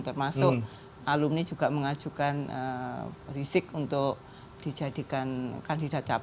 termasuk alumni juga mengajukan rizik untuk dijadikan kandidat